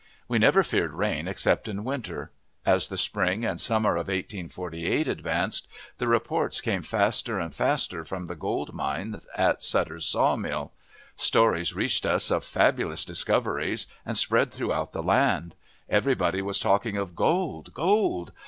We never feared rain except in winter. As the spring and summer of 1848 advanced, the reports came faster and faster from the gold mines at Sutter's saw mill. Stories reached us of fabulous discoveries, and spread throughout the land. Everybody was talking of "Gold! gold!"